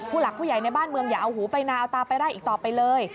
หลักผู้ใหญ่ในบ้านเมืองอย่าเอาหูไปนาวตาไปไล่อีกต่อไปเลย